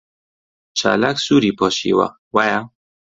چالاک سووری پۆشیوە، وایە؟